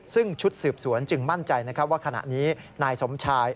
ซึ่งชุดสืบสวนจึงมั่นใจว่าขณะนี้นายสมชาย